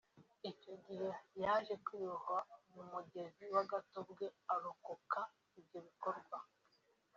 Icyo gihe yaje kwiroha mu mugezi w’Agatobwe arokoka ibyo bikorwa